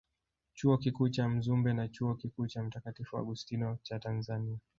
Chuo Kikuu cha Mzumbe na Chuo Kikuu cha Mtakatifu Augustino cha Tanzania